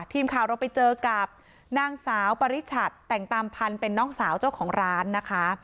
ทีมข่าวเราไปเจอกับนางสาวปริชัดแต่งตามพันธุ์เป็นน้องสาวเจ้าของร้านนะคะ